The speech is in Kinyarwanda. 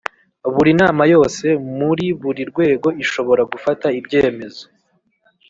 Buri nama yose muri buri rwego ishobora gufata ibyemezo